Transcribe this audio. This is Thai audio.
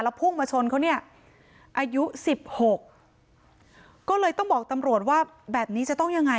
พุ่งมาชนเขาเนี่ยอายุสิบหกก็เลยต้องบอกตำรวจว่าแบบนี้จะต้องยังไง